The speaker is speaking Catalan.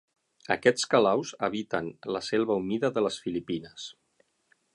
Aquests calaus habiten la selva humida de les Filipines.